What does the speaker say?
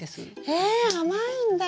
え甘いんだ。